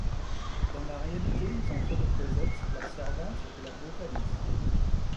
Dans la réalité, ils ont fait de Cosette leur servante et la brutalisent.